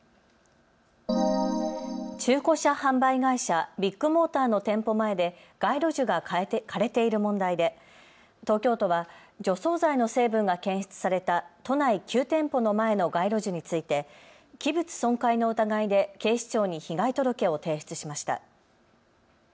中古車販売会社、ビッグモーターの店舗前で街路樹が枯れている問題で東京都は除草剤の成分が検出された都内９店舗の前の街路樹について器物損壊の疑いで警視庁に被害届を提出しました。